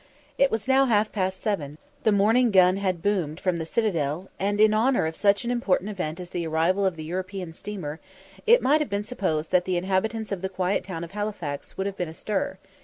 It was now half past seven the morning gun had boomed from the citadel, and, in honour of such an important event as the arrival of the European steamer, it might have been supposed that the inhabitants of the quiet town of Halifax would have been astir.